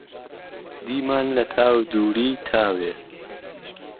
دیمان لهتاو دووری، تاوێ